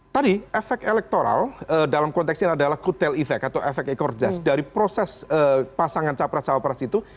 tadi efek elektoral dalam konteks ini adalah kutel efek atau efek ekor jas dari proses pasangan capres cawapres itu